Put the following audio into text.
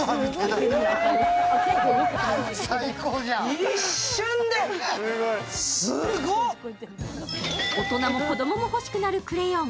ちょっと大人も子供も欲しくなるクレヨン。